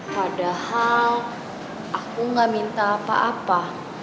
padahal aku nggak minta apa apa